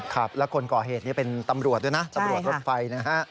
ครับแล้วคนก่อเหตุนี้เป็นตำรวจด้วยนะตำรวจรถไฟนะฮะ